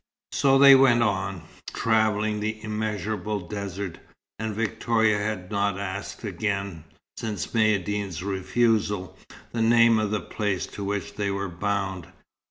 So they went on, travelling the immeasurable desert; and Victoria had not asked again, since Maïeddine's refusal, the name of the place to which they were bound.